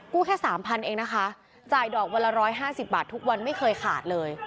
กู้แค่สามพันเองนะคะจ่ายดอกเวลาร้อยห้าสิบบาททุกวันไม่เคยขาดเลย